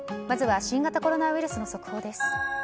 まずは新型コロナウイルスの速報です。